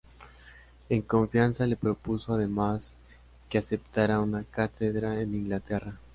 En confianza le propuso, además, que aceptara una cátedra en Inglaterra.